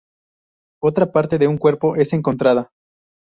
Otra parte de un cuerpo es encontrada.